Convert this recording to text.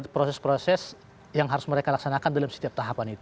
proses proses yang harus mereka laksanakan dalam setiap tahapan itu